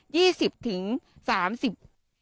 สิบถึงสามสิบ